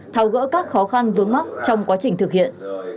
thao gỡ các khó khăn vướng mắt trong quá trình thực hiện